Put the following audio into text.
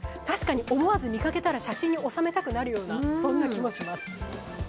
確かに、思わず見かけたら写真に収めたくなるような気もします。